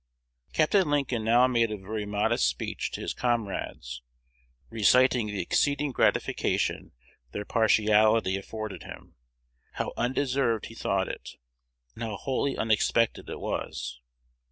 Capt. Lincoln now made a very modest speech to his comrades, reciting the exceeding gratification their partiality afforded him, how undeserved he thought it, and how wholly unexpected it was.